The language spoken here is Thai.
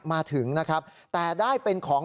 มาถึงนะครับแต่ได้เป็นของ